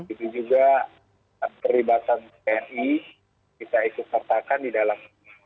itu juga perlibatan tni kita ikut sertakan di dalam